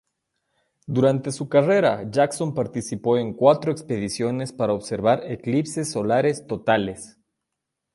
Durante su carrera Jackson participó en cuatro expediciones para observar eclipses solares totales.